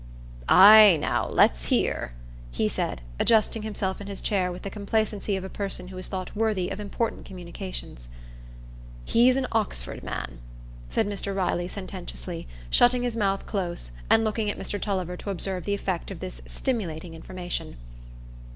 "Ay, now, let's hear," he said, adjusting himself in his chair with the complacency of a person who is thought worthy of important communications. "He's an Oxford man," said Mr Riley, sententiously, shutting his mouth close, and looking at Mr Tulliver to observe the effect of this stimulating information.